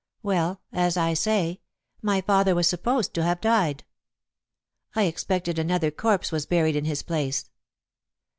Well, as I say, my father was supposed to have died. I expect another corpse was buried in his place.